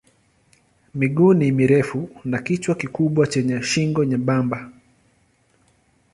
Miguu ni mirefu na kichwa kikubwa chenye shingo nyembamba.